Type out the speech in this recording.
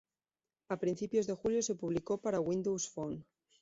A principios de julio se publicó para Windows Phone.